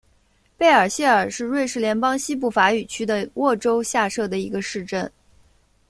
贝尔谢尔是瑞士联邦西部法语区的沃州下设的一个市镇。